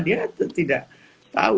dia tidak tahu